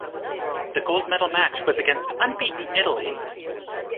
The gold medal match was against unbeaten Italy.